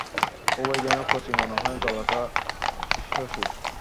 খুবই যেন কচি মনে হয় গলাটা শশীর।